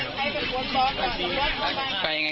คำให้การในกอล์ฟนี่คือคำให้การในกอล์ฟนี่คือ